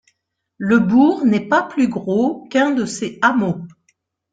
Le bourg n'est pas plus gros qu'un de ces hameaux.